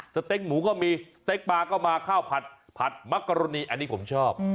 สเต็กหมูก็มีสเต็กปลาก็มาข้าวผัดมักกรณีอันนี้ผมชอบ